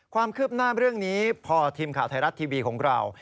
ความคืบหน้าเรื่องนี้พอทีมข่าวไทยรัฐทีวีของเรา